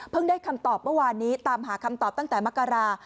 ได้คำตอบเมื่อวานนี้ตามหาคำตอบตั้งแต่มกรา